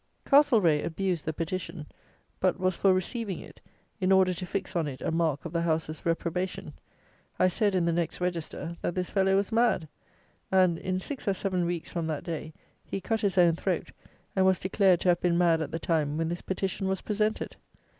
Castlereagh abused the petition; but was for receiving it, in order to fix on it a mark of the House's reprobation. I said, in the next Register, that this fellow was mad; and, in six or seven weeks from that day, he cut his own throat, and was declared to have been mad at the time when this petition was presented!